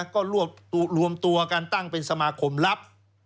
ก็รวมตัวกันตั้งเป็นสมาคมลับ